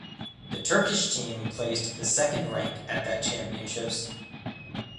The Turkish team placed the second rank at that championships.